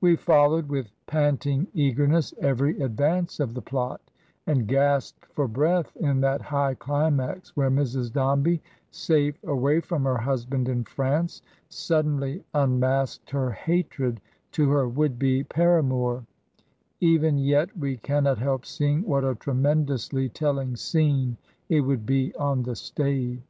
We followed with panting eagerness every advance of the plot, and gasped for breath in that high climax where Mrs. Dombey, safe away from her husband in France, suddenly unmasked her hatred to her would be par amour; even yet we cannot help seeing what a tremen dously teUing scene it would be on the stage.